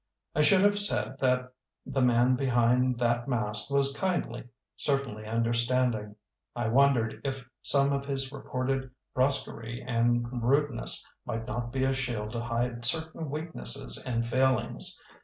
I should have said that the man behind that mask was kindly, cer tainly understanding. I wondered if some of his reported brusquerie and rudeness might not be a shield to hide certain weaknesses and failings.